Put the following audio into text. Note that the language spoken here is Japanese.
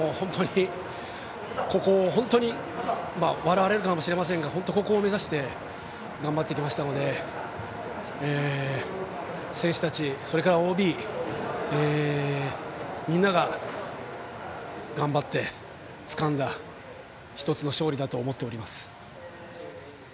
本当に笑われるかもしれませんが本当、ここを目指して頑張ってきましたので選手たち、それからＯＢみんなが頑張ってつかんだ１つの勝利だと思っております。